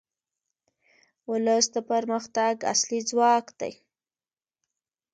ولس د پرمختګ اصلي ځواک دی.